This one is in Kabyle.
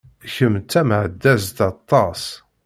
Kemm d tameɛdazt aṭas!